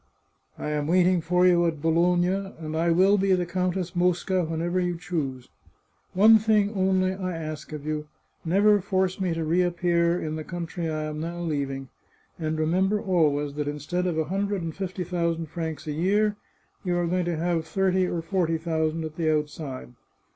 I am waiting for you at Bologna, and I will be the Countess Mosca whenever you choose. One thing, only, I ask of you : never force me to reappear in the country I am now leaving; and remember always that instead of a hundred and fifty thousand francs a year, you are going to have thirty or forty thousand at the outside.